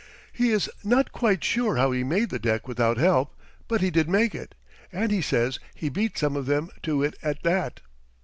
He is not quite sure how he made the deck without help, but he did make it, and he says he beat some of them to it at that.